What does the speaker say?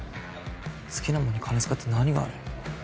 好きなもんに金使って何が悪い？